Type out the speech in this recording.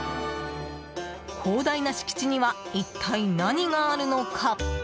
広大な敷地には一体、何があるのか。